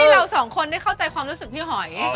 เราสองคนได้เข้าใจความรู้สึกพี่หอย